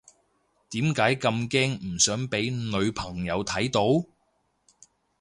點解咁驚唔想俾女朋友睇到？